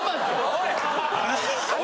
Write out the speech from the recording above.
おい！